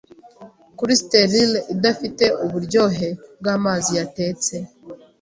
kuri sterile idafite uburyohe bwamazi yatetse.